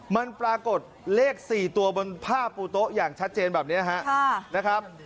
มันปรากฏเลข๔ตัวบนผ้าปูโต๊ะอย่างชัดเจนแบบนี้ครับนะครับ